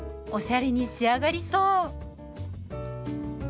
おしゃれに仕上がりそう！